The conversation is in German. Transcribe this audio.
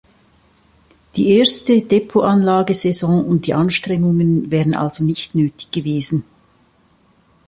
Die erste Depotanlage-Saison und die Anstrengungen wären also nicht nötig gewesen.